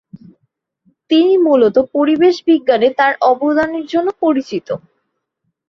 তিনি মূলত পরিবেশ বিজ্ঞানে তার অবদানের জন্য পরিচিত।